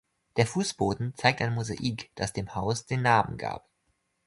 Der Fußboden zeigt ein Mosaik, das dem Haus den Namen gab.